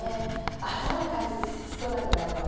洗う回数少なくなります。